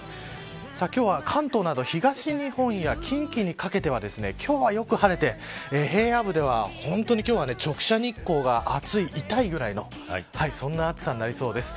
今日は関東など東日本や近畿にかけては今日は、よく晴れて平野部では、本当に今日は直射日光が熱い痛いぐらいの暑さになりそうです。